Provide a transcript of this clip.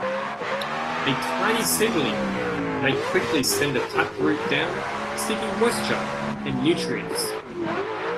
A tiny seedling may quickly send a taproot down seeking moisture and nutrients.